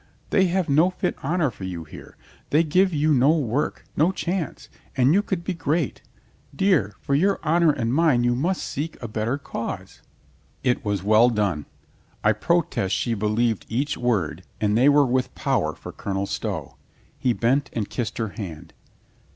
They have no fit honor for you here. They give you no work, no chance. And you could be great. Dear, for your honor and mine you must seek a better cause." It was well done. I protest she believed each word, and they were with power for Colonel Stow. He bent and kissed her hand.